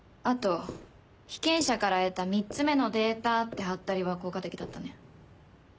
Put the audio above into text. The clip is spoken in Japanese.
あと「被験者から得た３つ目のデータ」ってハッタリは効果的だったね。